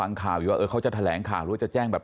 ทางคุณชัยธวัดก็บอกว่าการยื่นเรื่องแก้ไขมาตรวจสองเจน